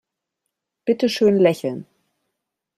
Bitte schön lächeln.